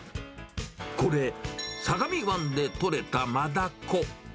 これ、相模湾で取れたマダコ。